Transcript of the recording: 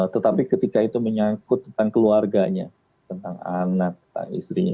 tetapi ketika itu menyangkut tentang keluarganya tentang anak tentang istrinya